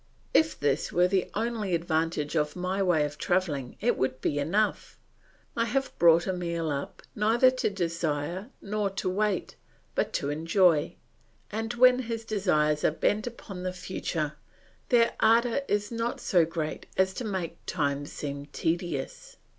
If this were the only advantage of my way of travelling it would be enough. I have brought Emile up neither to desire nor to wait, but to enjoy; and when his desires are bent upon the future, their ardour is not so great as to make time seem tedious.